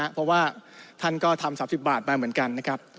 เพราะว่าท่านก็ทำ๓๐บาทมาเหมือนกันนะครับ